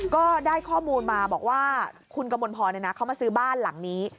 ก็ได้ข้อมูลมาบอกว่าคุณกมลพรเขามาซื้อบ้านหลังนี้